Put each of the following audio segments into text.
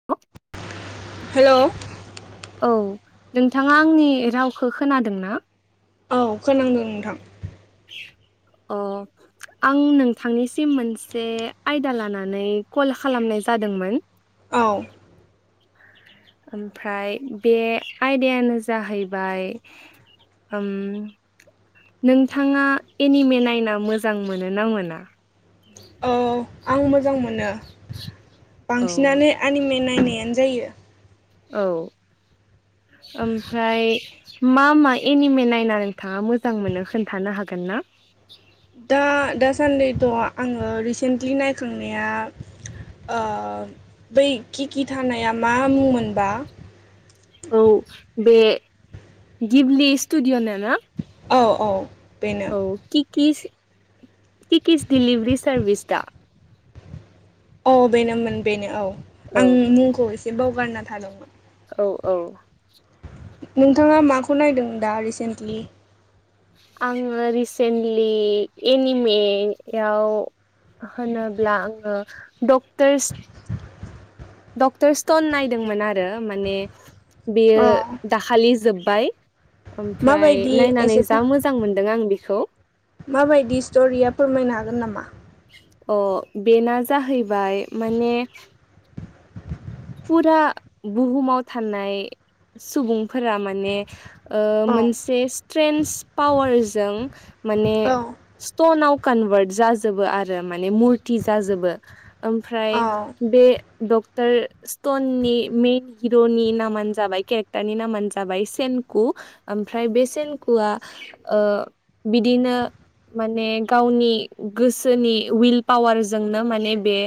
[unintelligible] हेल'? औ नोंथाङा आंनि रावखौ खोनादों ना? औ खोनांदों नोंथां। अ आं नोंथांनिसिम मोनसे आयदा लानानै कल खालामनाय जादोंमोन। औ। ओमफ्राय बे आयदायानो जाहैबाय ओम नोंथाङा एनिमे नायना मोजां मोनो ना मोना? औ आं मोजां मोनो। औ बांसिनानो आनिमे नायनायानो जायो। औ, ओमफ्राय मा-मा एनिमे नायना नोंथाङा मोजां मोनो? खोन्थानो हागोन ना? दा - दासान्दिथ' आङो रिसेन्टलि नायखांनाया ओ बै खिखि थानाया मा मुं मोनबा? औ बे गिबलि स्टुडिअ' न ना? औ औ बेनो औ। कस कि कस दिलिभि सारभिस दा औ बेनोमोन बेनो औ औ आं मुंखौ एसे बावगारना थादोंमोन। औ-औ। नोंथाङा माखौ नायदों दा रिसेन्टलि? आङो रिसेन्टलि एनिमि याव होनोब्ला आङो डक्टरस डक्टर स्टन नायदोंमोन आरो माने अ बेयो दाखालि जोब्बाय ओमफ्राय माबायदि नायनानै एसे जा मोजां मोनदों आं बेखौ माबायदि स्ट'रिया फोरमायनो हागोन नामा? अ बेना जाहैबाय माने फुरा बुहुमाव थानाय सुबुंफोरा माने औ मोनसे स्ट्रन्स पावारजों माने औ स्टनाव कनभार्ट जाजोबो आरो माने मुरर्तो जाजोबो ओमफ्राय बे डक्टर स्टननि मइेन हिर'नि नामानो जाबाय केरेक्टार नि नामानो जाबाय सेनकु ओमफ्राय बे सेनकुआ बिदिनो माने गावनि गोसोनि उइल पावारजोंनो माने बे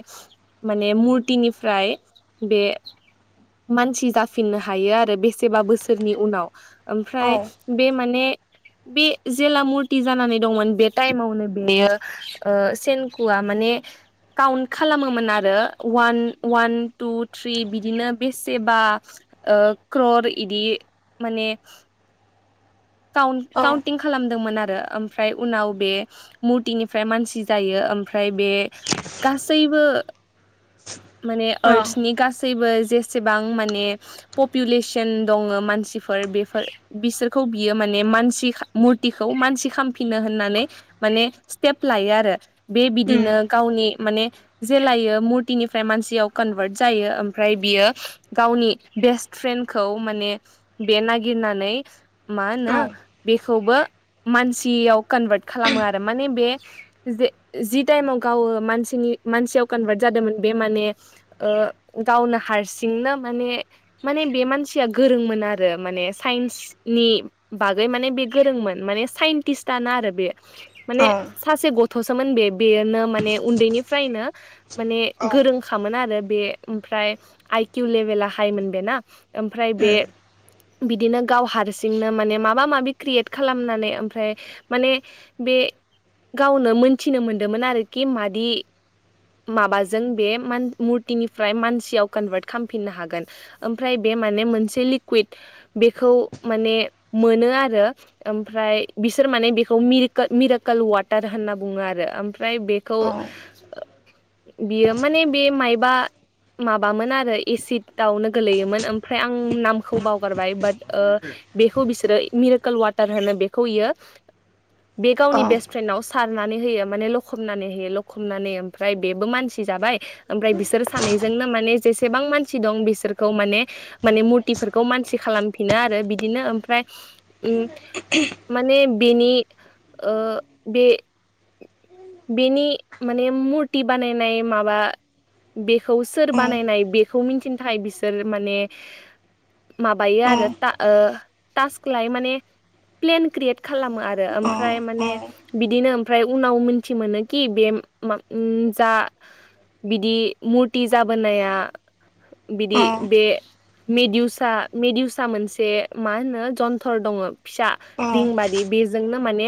माने मुरथिनिफ्राय बे मानसि जाफिननो हायो आरो बेसेबा बोसोरनि उनाव ओमफ्राय औ बे माने बे जेला मुरथि जानानै दंमोन बे टाइमावनो बेयो सेनकुआ माने काउन्ट खालामोमोन आरो वान वान टु थ्रि बिदिनो बेसेबा ओ क्रर इदि माने काउन औ काउनटिं खालामदोंमोन आरो ओमफ्राय उनाव बे मुरर्तोनिफ्राय मानसि जायो ओमफ्राय बे गासैबो माने आर्टसनि गासै गासैबो जेसेबां माने पपुलेसन दङ मानसिफोर बेफोर बिसोरखौ बियो माने मानसि मुरथिखौ मानसि खामफिनो होननानै माने स्टेप लायो आरो बे बिदिनो गावनि माने जेलायो मुरतनिफ्राय मानसियाव कनभार्ट जायो ओमफ्राय बियो गावनि बेस्ट फ्रेन्डखौ माने बे नागिरनानै मा होनो बेखौबो मानसियाव कनभार्ट खालामो आरो माने बे जे जि टाइमाव गावो मानसिनि मानसियाव कनभार्ट जादोंमोन बे माने गावनो हारसिंनो माने माने बे मानसिया गोरोंमोन आरो माने साइन्स नि बागै माने बे गोरोंमोन माने साइन्टिस्टयानो आरो बे माने सासे गथ'सोमोन बे बेनो माने उन्दैनिफ्रायनो माने गोरों खामोन आरो बे ओमफ्राय आइकिउ लेभेला हाइमोन बेना ओमफ्राय बे बिदिनो गाव हारसि जोंनो माने माबा माबि क्रियेट खालामनानै ओमफ्राय माने बे गावनो मोनथिनो मोनदोंमोन आरोखि मादि माबाजों बे मुरर्तोनिफ्राय मानसियाव कनभार्ट खालामफिननो हागोन ओमफ्राय बे माने मोनसे लिकुइद बेखौ माने मोनो आरो ओमफ्राय बिसोर माने बेखौ मिरोक मिरकेल वाटार होनना बुङो आरो ओमफ्राय बे खौ बियो माने बे मायबा माबामोन आरो एसिडावनो गोलैयोमोन ओमफ्राय आं नामखौ बावगारबाय बाट बेखौ बिसोरो मिरकेल वाटार होनो बेखौ बियो बे गावनि बेस्ट फ्रेन्डाव सारनानै होयो माने लखबनानै होयो लखबनानै ओमफ्राय बेबो मानसि जाबाय ओमफ्राय बिसोर सानैजोंनो माने जेसेबां मानसि दं बिसोरखौ माने माने मुरतफोरखौ मानसि खालामफिनो आरो बिदि बिदिनो ओमफ्राय उम माने बेनि बे बेनि माने मुरथि बानायनाय माबा बेखौ सोर बानायनाय बे खौ मिथिनो थाखाय बिसोर माने माबायो आरो [unintelligible] टाक्स लाय माने प्लेन क्रियेट खालामो आरो ओमफ्राय माने बिदिनो ओमफ्राय उनाव मिथि मोनो कि बे जा बिदि मुरत जाबोनाया बिदि बे मेदिउसा मेदिउसा मोनसे मा होनो जन्थर दङ फिसा रिंबादि बेजोंनो माने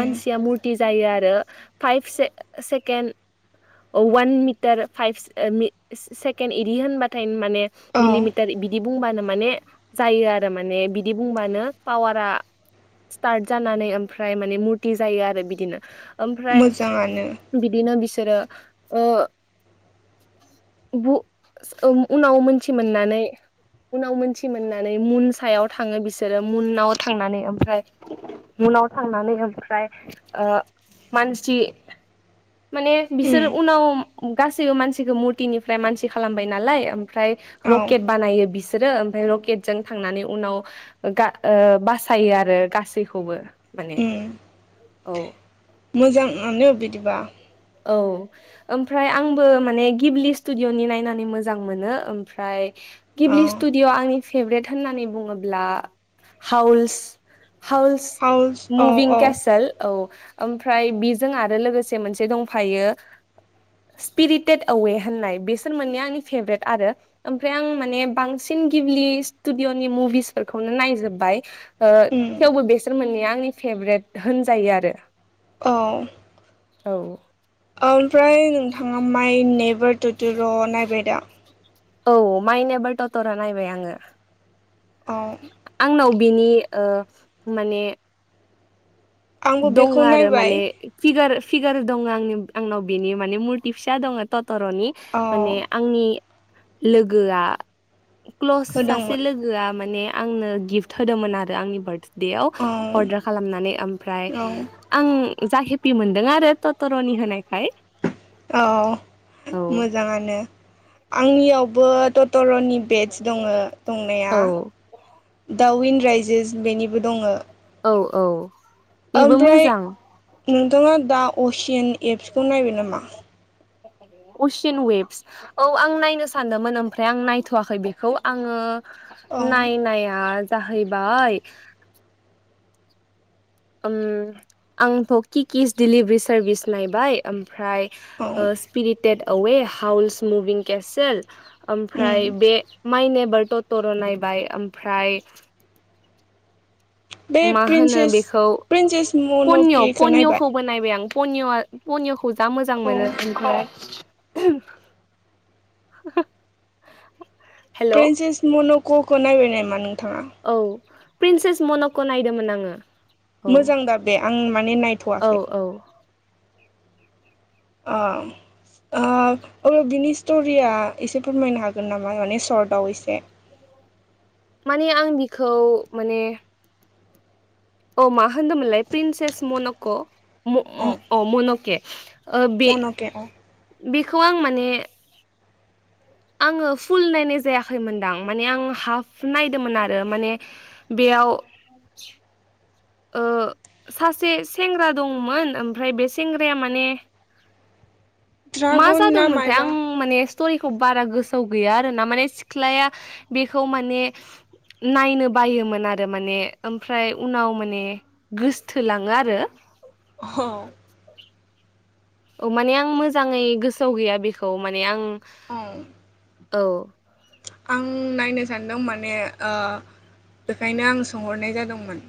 मानसिया मुरथि जायो आरो दा फाइभ से सेकेण वान मिटार फाइभ से ओ मि सेकेन्ड एदि होनबाथाय माने मिलिमिटार बिदि बुंबानो माने जायो आरो माने बिदि बुंबानो पावारा स्टार्ट जानानै ओमफ्राय माने मुरथि जायो आरो बिदिनो ओमफ्राय मोजाङानो बिदिनो बिसोरो उनाव मोनथि मोननानै उनाव मोनथि मोननानै मुन सायाव थाङो बिसोरो मुनाव थांनानै ओमफ्राय उनाव थांनानै ओमफ्राय ओ मानसि माने उम बिसोर उनाव गासैबो मानसिखौ मुरथिनिफ्राय मानसि खालामबाय नालाय ओमफ्राय औ रकेट बानायो बिसोर बिसोरो ओमफ्राय रकेटजों थांनानै उनाव गा ओ बासायो आरो गासैखौबो माने उम औ मोजाङानो बिदिबा औ ओमफ्राय आंबो माने गिबलि स्टुडियअनि नायनानै मोजां मोनो ओमफ्राय औ गिब्लि स्टुडिअ' आंनि फेभरेट होननानै बुङोब्ला हाउलस हाउस हाउस औ मुभिं औ केसेल औ मफ्राय बेजों आरो लोगोसे मोनसे दं फायो स्पिरिटेड आवे होननाय बेसोर मोननि आंनि फेभरेट आरो ओमफ्राय आं माने बांसिन गिबलि स्टुडिअ' नि मुभिसफोरखौनो नायजोबबाय ओ उम थेवबो बेसोर मोननै आंनि फेभरेट होनजायो आरो औ औ ओमफ्राय नोंथाङा माइ नेभार टुउटुर' नायबाय दा औ माइनेबाल टटरा नायबाय आङो आ आंनाव बिनि माने आंबो दङ बेखौ आरो नायबाय माने फिगार फिगार दङ आंनि आंनाव बेनि माने मुरथि फिसा दङ तथर'नि औ माने आंनि लोगोआ क्लस सासे होदोंमोन लोगो माने आंनो गिफ्ट होदोंमोन आरो आंनि बार्थडेव औ अर्दार खालामनानै ओमफ्राय औ आं जा हेपि मोनदों आरो टटर'नि होनायखाय औ औ मोजाङानो आंनियावबो टट टरनि बेडस दङ दंनाया औ दावन राइजेस बेनिबो दङ औ औ बेबो ओमफ्राय मोजां नोंथाङा दा असियान एपसखौ नायबाय नामा स असियान वेभस औ आं नायनो सानदोंमोन ओमफ्राय आं नायथ'वाखै बेखौ आङो औ नाय नाय जाहैबाय आंथ' किकिस दिडिलिभारि सारभिस नायबाय ओमफ्राय औ स्पिरिटेड अवे हाउस मुभिं केसेल ओमफ्राय उम बे माइ नेबारट'टर' नायबाय ओमफ्राय बे मा होनो प्रिन्सेस बेखौ प्रिन्सेस पनिय' मन'केखौ नायबाय पनिय'खौ बानायनायबाय आं पनिअ'आ पनिय'खौ जा मोजां औ मोनो ओमफ्राय [unintelligible] प्रिन्सेस मनक'खौ नायबाय नामा नोंथाङा औ प्रिन्सेस मनकखौ नायदोंमोन आङो औ मोजां दा बे आं माने नाय औ औ। ओ। अब्ला बिनि स्ट'रिया एसे फोरमायनो हागोन नामा माने सशर्टआव एसे औ माने आं बिखौ माने औ मा होनदोंमोनलाय प्रिन्सेस मन'क' अ मन'के ओ बे मन'के अ बेखौ आं माने आङो फुल नायनाय जायाखैमोनदां माने आं हाफ नायदोंमोन आरो माने बेयाव ओ सासे सेंग्रा दंमोन ओमफ्राय बे सेंग्राया माने मा ड्रागन ना जादोंमोनथाय मायबा आं माने स्ट'रिखौ बारा गोसोआव गैया आरो ना माने सिख्लाया बेखौ माने नायनो बायोमोन आरो माने ओमफ्राय उनाव माने गोसथोलाङो आरो। [unintelligible] औ माने आं मोजाङै गोसोआव गैया बेखौ माने आं औ औ। आं नायनो सानदों माने आ बेखायनो आं सोंहरनाय जादोंमोन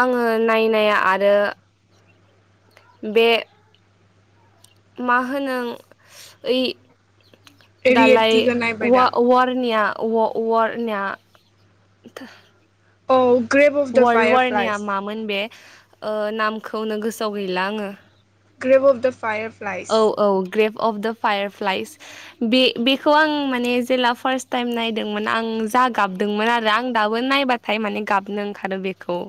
आङो नायनाया आरो बे मा होनो ओइ दालाय रियेटिखौ नायबाय वा दा वारनिया वार वारनिया औ ग्रेब वर्ल्ड वारनिया मामोन बे ओ नामखौनो गोसोआव गैला आङो ग्रेप अफ दा फायार औ औ Grave of the Fireflies बे बेखौ आं माने जेला फार्स्ट टाइम नायदोंमोन आं जा गाबदोंमोन आरो आं दाबो नायबा हाय माने गाबनो ओंखारो बेखौ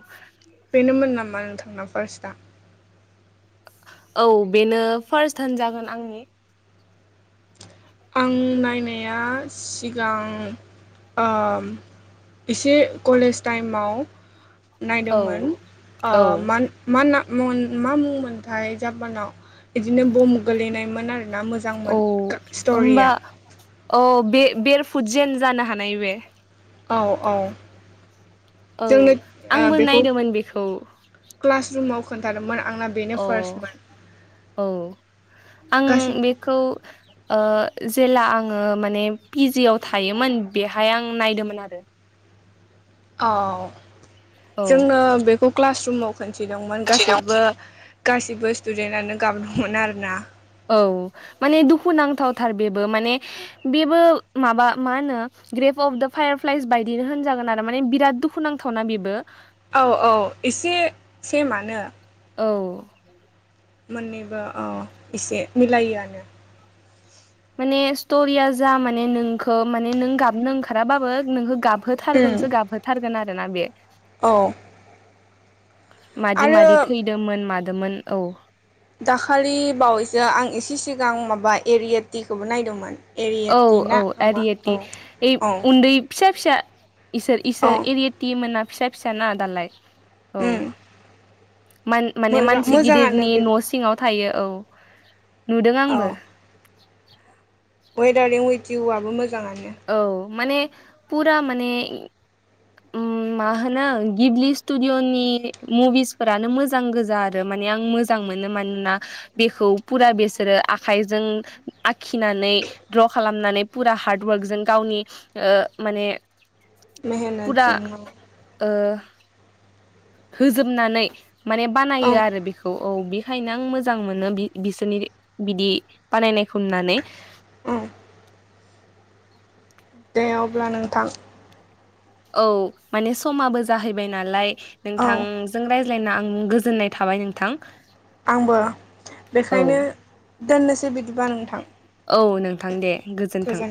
बेनोमोन नामा नोंथांना फार्स्टआ औ बेनो फार्स्ट थान जागोन आंनि आं नायनाया सिगां आ एसे कलेज टाइमाव औ नायदोंमोन ओ औ मा मा ना मा मुं मोनथाय जापानाव बिदिनो बम गोलैनायमोन आर ना मोजांमोन औ होमबा स्ट'रिया औ बे बेर फुदजेन जानो हानाय बे औ औ औ जोंनो ओ आंबो बेखौ नायदोंमोन बेखौ क्लास रुमाव खोन्थादोंमोन आंना बेनो अ फार्स्टमोन औ आं गासै बेखौ ओ जेला आङो माने पिजिव थायोमोन बेहाय आं नायदोंमोन आरो। औ औ जोङो बेखौ क्लास रुमाव खोनन्थिदोंमोन गासैबो गासिबो स्टुडेन्टनो गाबदोंमोन आरो ना। औ माने दुखुुनांथावथार बेबो माने बेबो माबा मा होनो ग्रेप अफ दा फायारफ्लाइस बायदिनो होनजागोन आरो माने बिराद दुखुुनांथावना बेबो औ औ एसे सेमानो औ मोननैबो ओ एसे मिलायोआनो माने स्ट'रिया जा माने नोंखौ माने नों गाबनो ओंखाराबाबो नोंखौ गाबहो उम थारगोनसो गाबहोथारगोन आरो ना बे औ मादि आरो मादि थैदोमोन मादोंमोन औ दाखालि बावैसो आं एसे सिगां माबा एरिएटिखौबो नायदोंमोन। औ एरियेटि औ ना माबा ऐरिएटि औ ओइ औ उन्दै फिसा फिसा इसोर औ इसोर एरिटि मोना फिसा फिसा ना दालाय। औ उम मान माने मोजां मानसि मोजाङानो गिदिरनि न' बेबो सिङाव थायो औ नुदों आंबो। वेदार ए वेटिवाबो मोजाङानो। औ माने पुरा माने उम मा होनो गिबलि स्टुदिअ'नि मुभिस फोरानो मोजां गोजा आरो माने आं मोज जां मोनो मानोना बेखौ पुरा बिसोरो आखाइजों आग खिनानै दड्र खालामनानै फुरा हार्डवार्कजों गावनि ओ माने पुरा मेहेनतजों ओ होजोबनानै माने औ बानायो आरो बेखो औ औ बेखायनो आं मोजां मोनो बि बिसोरनि बिदि बानायनायखौ नुनानै। औ दे अब्ला नोंथां। औ माने समाबो जाहैबाय नालाय औ नोंथां जों रायज्लायना आं गोजोननाय थाबाय नोंथां। आंबो औ बेखायनो दोननोसै बिदिबा नोंथां। औ नोंथां दे गोजोन्थों।